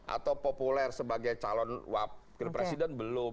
atau populer sebagai calon wakil presiden belum